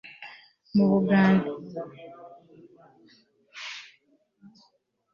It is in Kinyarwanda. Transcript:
Mubuganiza muhoza Ngo uruhimbi nuzuze Azimane ikivuguto